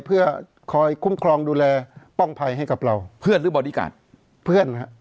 เพื่อคอยคุ้มครองดูแลป้องภัยให้กับเราเพื่อนหรือบอดี้การ์ดเพื่อน